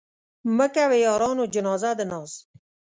مه کوئ يارانو جنازه د ناز